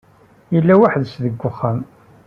Yella weḥd-s deg uxxam.